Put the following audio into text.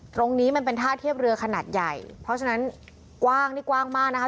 ตรงนี้มันเป็นท่าเทียบเรือขนาดใหญ่เพราะฉะนั้นกว้างนี่กว้างมากนะคะ